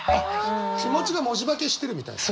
気持ちが文字化けしてるみたいな？